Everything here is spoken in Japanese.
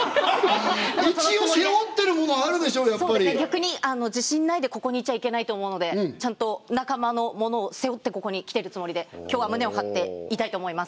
逆に自信ないでここにいちゃいけないと思うのでちゃんと仲間のものを背負ってここに来てるつもりで今日は胸を張っていたいと思います。